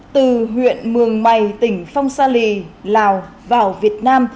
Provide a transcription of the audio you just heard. từ huyện mường mày tỉnh phong sa lì lào vào việt nam